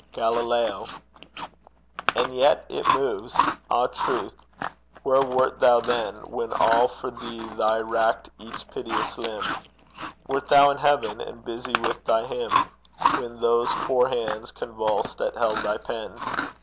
GALILEO. 'And yet it moves!' Ah, Truth, where wert thou then, When all for thee they racked each piteous limb? Wert though in Heaven, and busy with thy hymn, When those poor hands convulsed that held thy pen?